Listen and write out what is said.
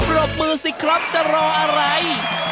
รบมือสิครับจะรออะไร